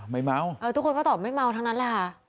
เมาเออทุกคนก็ตอบไม่เมาทั้งนั้นแหละค่ะ